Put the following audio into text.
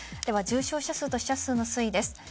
では重症者数と死者数の推移です。